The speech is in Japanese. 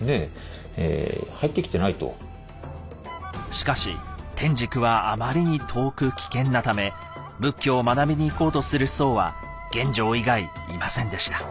しかし天竺はあまりに遠く危険なため仏教を学びに行こうとする僧は玄奘以外いませんでした。